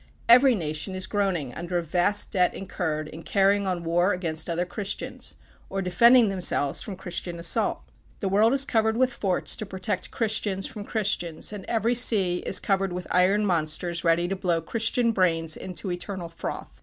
Every nation is groaning under a vast debt incurred in carrying on war against other Christians, or defending themselves from Christian assault. The world is covered with forts to protect Christians from Christians; and every sea is covered with iron monsters ready to blow Christian brains into eternal froth.